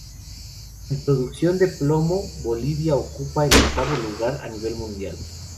En producción de plomo, Bolivia ocupa el octavo lugar a nivel mundial.